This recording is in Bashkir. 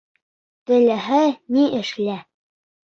Теләһә ни эшлә.